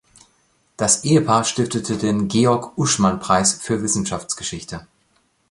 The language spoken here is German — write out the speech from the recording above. Das Ehepaar stiftete den Georg-Uschmann-Preis für Wissenschaftsgeschichte.